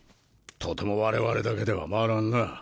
とても我々だけでは回らんな。